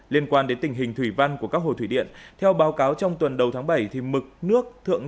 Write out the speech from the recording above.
liên quan đến tình hình thủy văn của các hồ thủy điện theo báo cáo trong tuần đầu tháng bảy